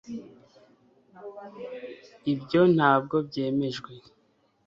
ibyo ntabwo byemejwe